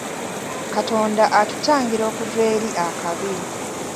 Katonda atutangira okuva eri akabi.